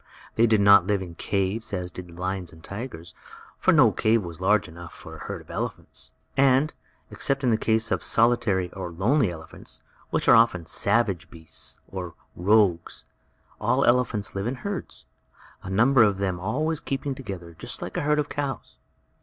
They did not live in caves as did the lions and tigers, for no cave was large enough for a herd of elephants. And, except in the case of solitary, or lonely elephants, which are often savage beasts, or "rogues," all elephants live in herds a number of them always keeping together, just like a herd of cows.